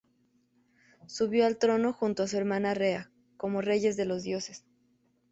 Subió al trono junto a su hermana Rea como reyes de los dioses.